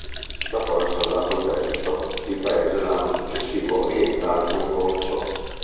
Dopo aver saldato il debito, il paese l'anno successivo rientra al concorso.